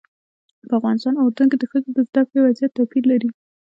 په افغانستان او اردن کې د ښځو د زده کړې وضعیت توپیر لري.